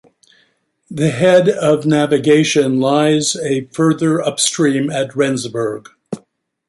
The head of navigation lies a further upstream at Rendsburg.